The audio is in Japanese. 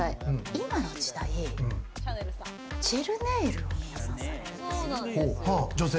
今の時代、ジェルネイルを皆さん、されるんですよ。